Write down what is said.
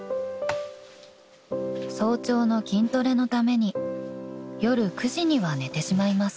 ［早朝の筋トレのために夜９時には寝てしまいます］